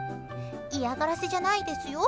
嫌がらせじゃないですよ。